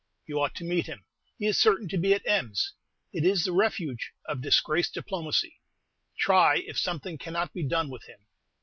You ought to meet him; he is certain to be at Ems. It is the refuge of disgraced diplomacy. Try if something cannot be done with him.